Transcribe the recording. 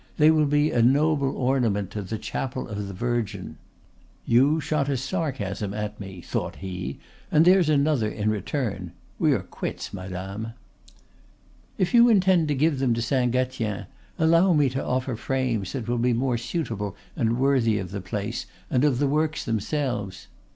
"They will be a noble ornament to the chapel of the Virgin." ("You shot a sarcasm at me," thought he, "and there's another in return; we are quits, madame.") "If you intend to give them to Saint Gatien, allow me to offer frames that will be more suitable and worthy of the place, and of the works themselves."